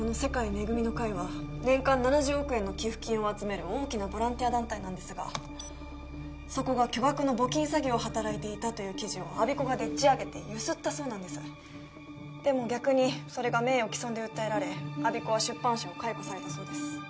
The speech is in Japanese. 恵みの会は年間７０億円の寄付金を集める大きなボランティア団体なんですがそこが巨額の募金詐欺を働いていたという記事を我孫子がでっち上げてゆすったそうなんですでも逆にそれが名誉毀損で訴えられ我孫子は出版社を解雇されたそうです